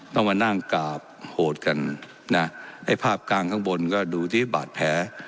ต้องมานั่งกราบโหดกันนะไอ้ภาพกลางข้างบนก็ดูที่บาดแผล